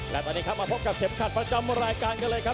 และตอนนี้ครับมาพบกับเข็มขัดประจำรายการกันเลยครับ